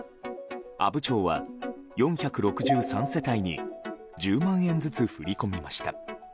阿武町は４６３世帯に１０万円ずつ振り込みました。